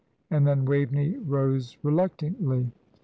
and then Waveney rose reluctantly.